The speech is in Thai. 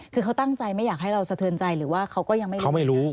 คือเขาตั้งใจไม่อยากให้เราสะเทินใจหรือว่าเขาก็ยังไม่รู้เขาไม่รู้